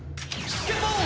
スッケボー！